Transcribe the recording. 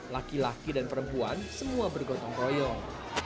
laki laki dan perempuan semua bergotong royong